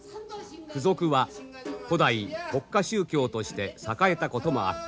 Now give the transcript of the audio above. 巫俗は古代国家宗教として栄えたこともあった。